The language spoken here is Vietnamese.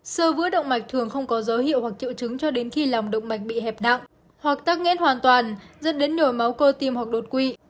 sơ vứa động mạch thường không có dấu hiệu hoặc triệu chứng cho đến khi lòng động mạch bị hẹp nặng hoặc tắc nghét hoàn toàn dẫn đến nổi máu cơ tim hoặc đột quỵ